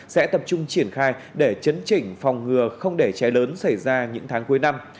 sẽ tập trung triển khai để chấn chỉnh phòng ngừa không để cháy lớn xảy ra những tháng cuối năm